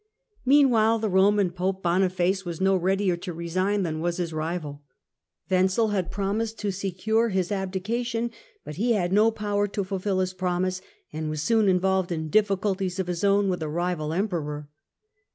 Meanwhile, the Koman Pope Boniface was no readier to resign than was his rival. Wenzel had promised to secure his abdication, but he had no power to fulfil his promise, and was soon involved in difficulties of his own with a rival Emperor.